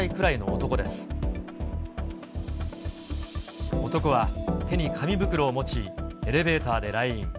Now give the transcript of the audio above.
男は手に紙袋を持ち、エレベーターで来院。